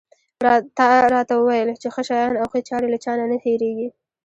تا راته وویل چې ښه شیان او ښې چارې له چا نه نه هېرېږي.